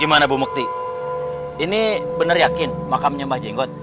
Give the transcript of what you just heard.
gimana bu mukti ini bener yakin makamnya mbak jenggot